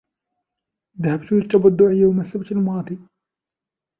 ذهبت للتبضع يوم السبت الماضي.